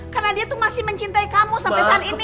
karena dia itu masih mencintai kamu sampai saat ini